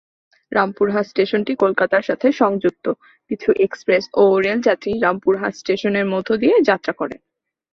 রামপুরহাট স্টেশনটি কলকাতার সাথে সংযুক্ত কিছু এক্সপ্রেস এবং রেল যাত্রী রামপুরহাট স্টেশনের মধ্য দিয়ে যাত্রা করে।